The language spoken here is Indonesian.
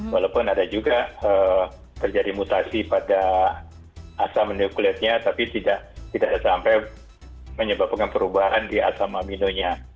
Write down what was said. walaupun ada juga terjadi mutasi pada asam neukuletnya tapi tidak sampai menyebabkan perubahan di asam aminonya